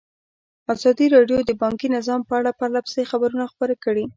ازادي راډیو د بانکي نظام په اړه پرله پسې خبرونه خپاره کړي.